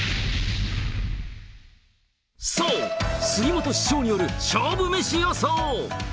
そう、杉本師匠による勝負メシ予想。